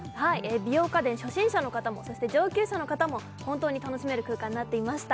美容家電初心者の方もそして上級者の方も本当に楽しめる空間になっていました